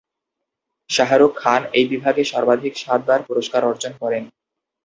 শাহরুখ খান এই বিভাগে সর্বাধিক সাতবার পুরস্কার অর্জন করেন।